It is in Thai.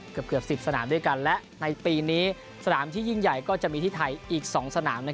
เกือบ๑๐สนามด้วยกันและในปีนี้สนามที่ยิ่งใหญ่ก็จะมีที่ไทยอีก๒สนาม